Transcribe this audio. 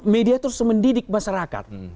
media itu harus mendidik masyarakat